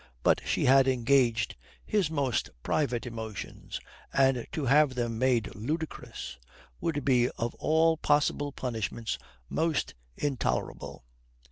But she had engaged his most private emotions, and to have them made ludicrous would be of all possible punishments most intolerable.